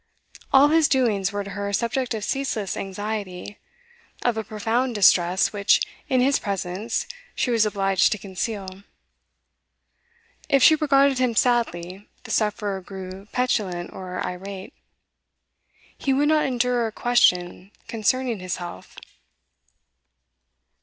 All his doings were to her a subject of ceaseless anxiety, of a profound distress which, in his presence, she was obliged to conceal. If she regarded him sadly, the sufferer grew petulant or irate. He would not endure a question concerning his health.